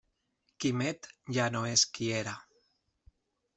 Quimet ja no és qui era.